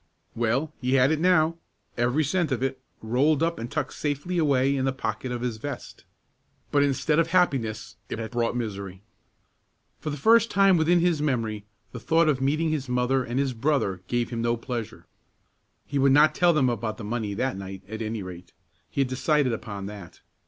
Well, he had it now, every cent of it, rolled up and tucked safely away in the pocket of his vest; but instead of happiness, it had brought misery. For the first time within his memory, the thought of meeting his mother and his brother gave him no pleasure. He would not tell them about the money that night at any rate; he had decided upon that.